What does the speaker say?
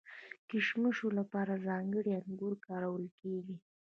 د کشمشو لپاره ځانګړي انګور کارول کیږي.